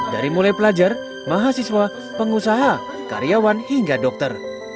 dari mulai pelajar mahasiswa pengusaha karyawan hingga dokter